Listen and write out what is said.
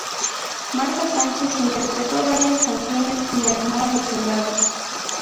Marta Sánchez interpretó varias canciones y animó a los soldados.